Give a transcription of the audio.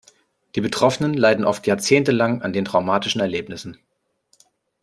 Die Betroffenen leiden oft jahrzehntelang an den traumatischen Erlebnissen.